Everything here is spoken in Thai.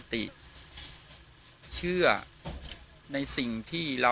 วันนี้ก็จะเป็นสวัสดีครับ